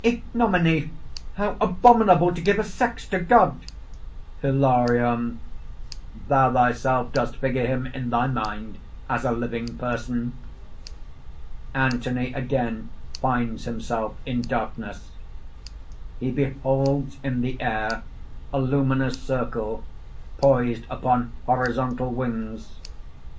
"Ignominy! how abominable to give a sex to God!" HILARION. "Thou thyself dost figure him in thy mind as a living person!" (Anthony again finds himself in darkness. _He beholds in the air a luminous circle, poised upon horizontal wings.